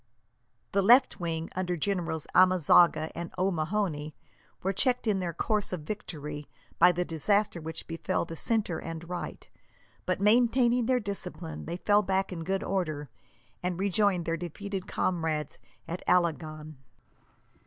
The left wing, under Generals Amezaga and O'Mahony, were checked in their course of victory by the disaster which befell the centre and right; but, maintaining their discipline, they fell back in good order, and rejoined their defeated comrades at Alagon.